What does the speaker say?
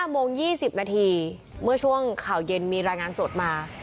โมง๒๐นาทีเมื่อช่วงข่าวเย็นมีรายงานสดมา